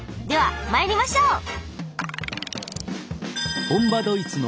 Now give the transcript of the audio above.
では参りましょう！